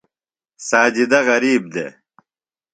ساجدہ غریب دےۡ۔